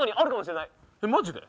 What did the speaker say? マジで？